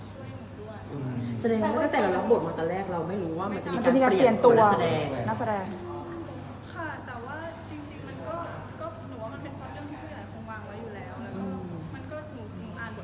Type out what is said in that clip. แสดงว่าตั้งแต่เรารับบทมาตั้งแต่แรกเราไม่รู้ว่ามันจะมีการเปลี่ยนตัว